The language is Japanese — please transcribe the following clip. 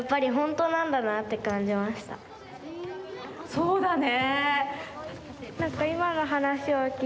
そうだね。